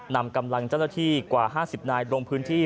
นำกำลังเจ้าหน้าที่กว่า๕๐นายลงพื้นที่